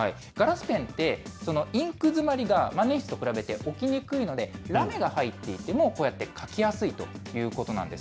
ガラスペンって、インク詰まりが、万年筆と比べて起きにくいので、ラメが入っていても、こうやって書きやすいということなんです。